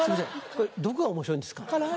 これどこが面白いんですか？